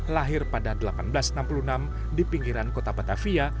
lahir pada seribu delapan ratus enam puluh enam di pinggiran kota batavia